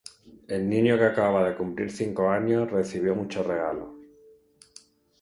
El niño, que acababa de cumplir cinco años, recibió muchos regalos.